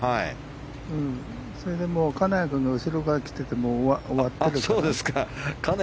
それで金谷君の後ろが来ていてもう終わってるからね。